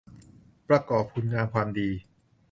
ประกอบคุณงามความดี